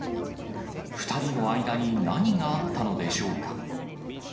２人の間に何があったのでしょうか。